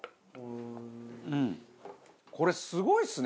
これすごいですね。